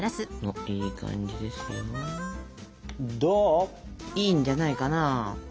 いいんじゃないかな。